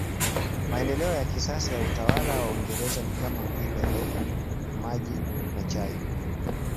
Maendeleo ya kisasa ya utawala wa Uingereza ni kama vile reli, maji na chai.